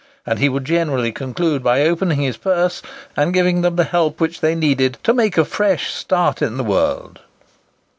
And he would generally conclude by opening his purse, and giving them the help which they needed "to make a fresh start in the world."